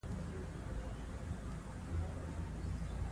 دی زموږ د ټولنې مشعل دی.